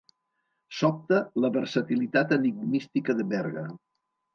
Sobta la versatilitat enigmística de Berga.